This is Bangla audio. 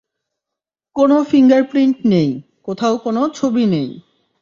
কোন ফিঙ্গারপ্রিন্ট নেই, কোথাও কোন ছবি নেই।